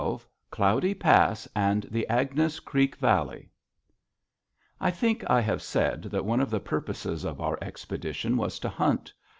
XII CLOUDY PASS AND THE AGNES CREEK VALLEY I think I have said that one of the purposes of our expedition was to hunt.